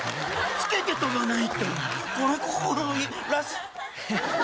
つけて飛ばないと。